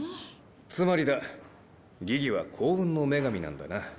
つまりだギギは幸運の女神なんだな。